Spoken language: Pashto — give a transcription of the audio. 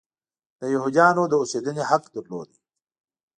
د یهودیانو د اوسېدنې حق درلود.